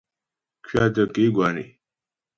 Kuatə ke gwǎ né.